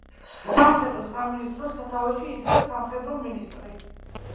სამხედრო სამინისტროს სათავეში იდგა სამხედრო მინისტრი.